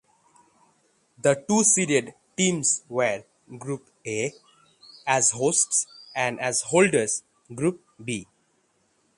The two seeded teams were (Group A) as hosts and as holders (Group B).